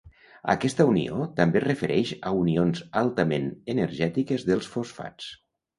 Aquesta unió també es refereix a unions altament energètiques dels fosfats.